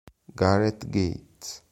Gareth Gates